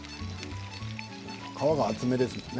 皮が厚めですもんね。